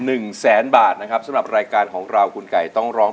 หนึ่งแสนบาทนะครับสำหรับรายการของเราคุณไก่ต้องร้อง